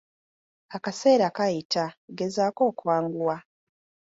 Akaseera kayita, gezaako okwanguwa.